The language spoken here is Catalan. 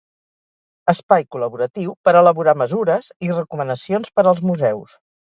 Espai col·laboratiu per elaborar mesures i recomanacions per als museus.